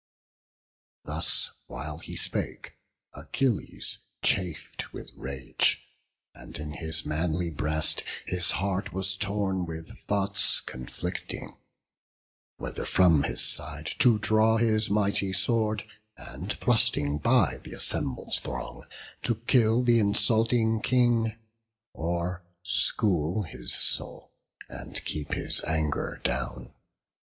Thus while he spake, Achilles chaf'd with rage; And in his manly breast his heart was torn With thoughts conflicting—whether from his side To draw his mighty sword, and thrusting by Th' assembled throng, to kill th' insulting King; Or school his soul, and keep his anger down.